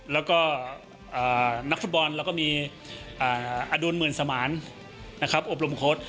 แล้วก็นักธุบรรณแล้วก็มีอดูลหมื่นสมานนะครับอบรมคต